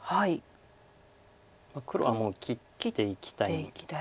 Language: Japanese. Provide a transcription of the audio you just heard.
黒はもう切っていきたい。